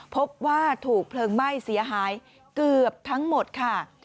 พบว่าถูกเพลิงไหม้เสียหายเกือบทั้งหมดค่ะ